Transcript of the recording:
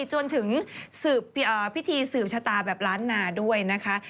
จนถึงพิธีสืบชะตาแบบล้านนาด้วยนะคะ